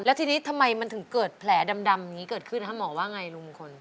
ทีนี้ทำไมมันถึงเกิดแผลดำอย่างนี้เกิดขึ้นหมอว่าไงลุงมงคล